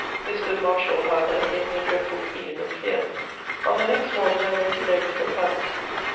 This good Marshal, however, gave me a dreadful feeling of fear. On the next morning I went alone to the palace.